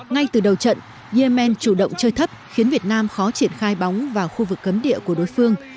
ngay từ đầu trận yemen chủ động chơi thấp khiến việt nam khó triển khai bóng vào khu vực cấm địa của đối phương